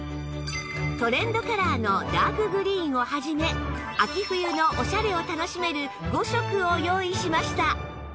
トレンドカラーのダークグリーンを始め秋冬のオシャレを楽しめる５色を用意しました